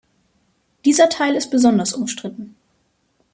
Dieser Teil ist besonders umstritten.